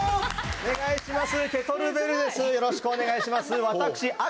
お願いします。